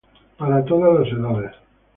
Para todas las edades.